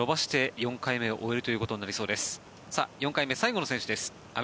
４回目最後の選手です。